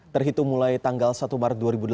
terhitung mulai tanggal satu maret dua ribu delapan belas